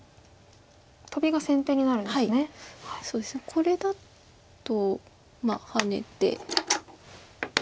これだとハネて。